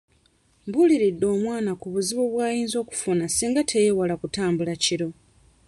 Mbuuliridde omwana ku buzibu bw'ayinza okufuna singa teyeewale kutambula kiro.